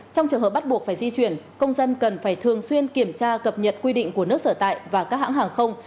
trong trường hợp bắt buộc phải di chuyển công dân cần phải thường xuyên kiểm tra cập nhật quy định của nước sở tại và các hãng hàng không